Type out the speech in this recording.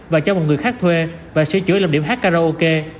và cho một người khác thuê và sửa chữa làm điểm hát karaoke